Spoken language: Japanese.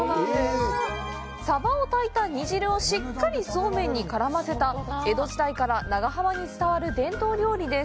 サバを炊いた煮汁をしっかりそうめんに絡ませた江戸時代から長浜に伝わる伝統料理です。